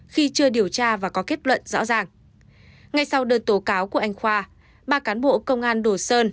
khi chưa điều tra và có kết luận rõ ràng ngay sau đơn tố cáo của anh khoa ba cán bộ công an đồ sơn